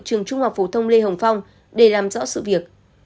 trường trung học phổ thông lê hồng phong để làm rõ sự việc